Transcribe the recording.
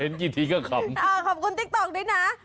เพลงที่ทีก็ขำค่ะเอ้าขอบคุณติ๊กโต๊คด้วยนะ